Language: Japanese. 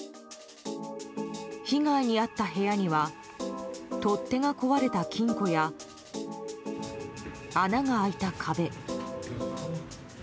被害に遭った部屋には取っ手が壊れた金庫や穴が開いた壁。